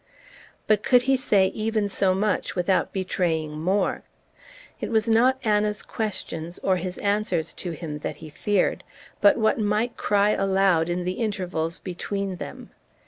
But could he say even so much without betraying more? It was not Anna's questions, or his answers to them, that he feared, but what might cry aloud in the intervals between them.